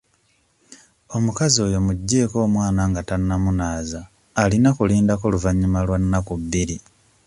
Omukazi oyo muggyeko omwana nga tannamunaaza alina kulindako luvannyuma lwa nnaku bbiri.